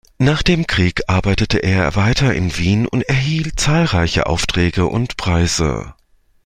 Nach dem Krieg arbeitete er weiter in Wien und erhielt zahlreiche Aufträge und Preise.